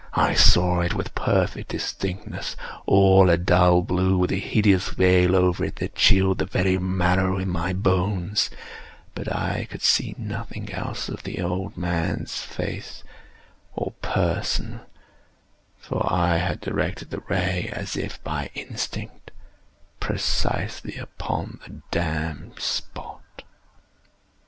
I saw it with perfect distinctness—all a dull blue, with a hideous veil over it that chilled the very marrow in my bones; but I could see nothing else of the old man's face or person: for I had directed the ray as if by instinct, precisely upon the damned spot.